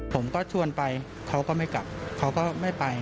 ผมก็ชวนไปเขาก็ไม่กลับเขาก็ไม่ไป